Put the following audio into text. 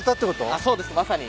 あっそうですまさに。